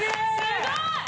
・すごい！